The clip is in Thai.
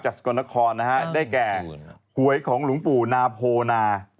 สกลนครนะฮะได้แก่หวยของหลวงปู่นาโพนา